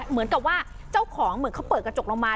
เหมือนกับว่าเจ้าของเหมือนเขาเปิดกระจกลงมา